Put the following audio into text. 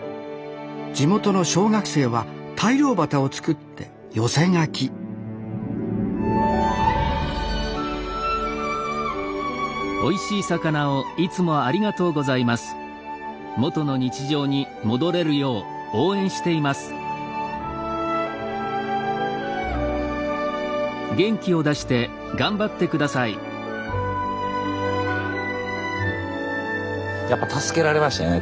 地元の小学生は大漁旗を作って寄せ書きやっぱ助けられましたね